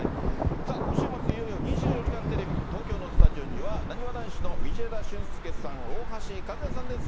さあ、今週末、いよいよ２４時間テレビ、東京のスタジオにはなにわ男子の道枝駿佑さん、大橋和也さんです。